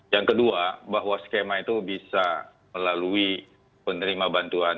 yang kedua bahwa skema itu bisa melalui penerima bantuan